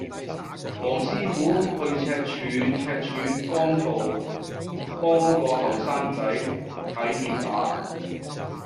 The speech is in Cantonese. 黃師傅去赤柱赤柱崗道幫個後生仔睇跌打